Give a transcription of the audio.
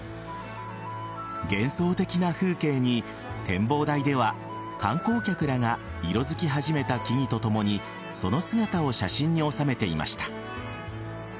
幻想的な風景に、展望台では観光客らが色づき始めた木々とともにその姿を写真に収めていました。